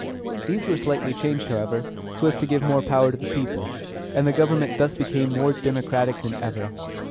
These were slightly changed, however, so as to give more power to the people; and the government thus became more democratic than ever.